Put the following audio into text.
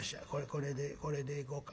これでこれでいこうか。